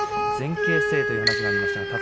前傾姿勢という話がありました。